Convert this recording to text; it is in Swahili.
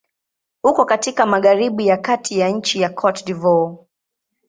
Uko katika magharibi ya kati ya nchi Cote d'Ivoire.